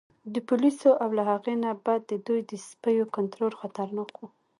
د پولیسو او له هغې نه بد د دوی د سپیو کنترول خطرناک و.